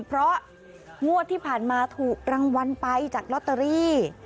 เพราะงวดที่ผ่านมาถูกรางวัลไปจากลอตเตอรี่